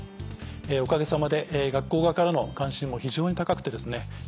おかげさまで学校側からの関心も非常に高くてですね